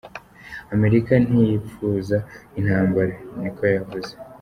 "Amerika ntiyipfuza intambara," ni ko yavuze.